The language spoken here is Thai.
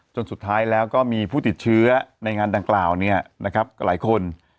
จนสุดท้ายแล้วก็มีผู้ติดเชื้อในงานดังกล่าวหลายคน